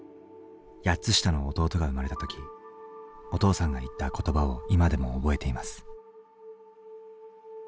８つ下の弟が生まれた時お父さんが言った言葉を今でも覚えています。